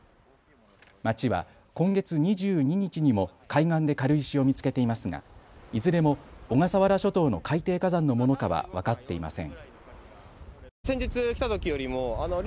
町は今月２２日にも海岸で軽石を見つけていますがいずれも小笠原諸島の海底火山のものかは分かっていません。